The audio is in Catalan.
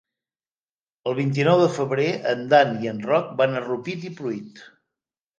El vint-i-nou de febrer en Dan i en Roc van a Rupit i Pruit.